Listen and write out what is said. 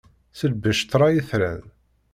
Selbec ṭṭṛa itran.